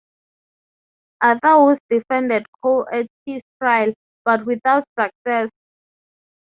Arthur Woods defended Cole at his trial, but without success.